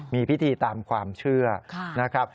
มีพิธีตามความเชื่อนะครับ